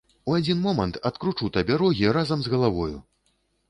У адзін момант адкручу табе рогі разам з галавою.